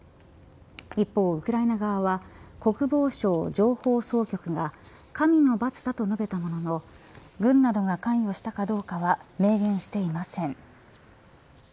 一方、ウクライナ側は国防省情報総局が神の罰だと述べたものの軍などが関与したかどうかは明言していません。